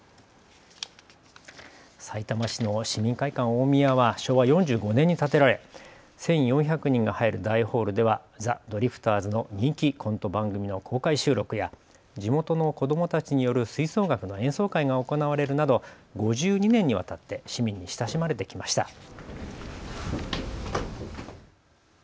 さいたま市の市民会館おおみやは昭和４５年に建てられ１４００人が入る大ホールではザ・ドリフターズの人気コント番組の公開収録や地元の子どもたちによる吹奏楽の演奏会が行われるなど５２年にわたって市民に親しまれてきました。